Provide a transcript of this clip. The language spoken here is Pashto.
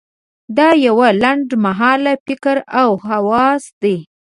دا یو لنډ مهاله فکر او هوس دی.